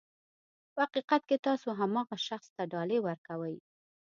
په حقیقت کې تاسو هماغه شخص ته ډالۍ ورکوئ.